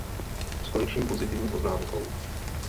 Skončím pozitivní poznámkou.